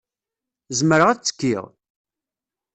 Zemreɣ ad ttekkiɣ?